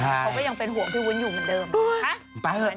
เขาก็ยังเป็นห่วงพี่วุ้นอยู่เหมือนเดิมนะคะ